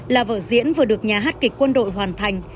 là vở diễn vừa được nhà hát kịch quân đội hoàn thành